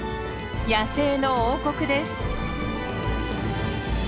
野生の王国です。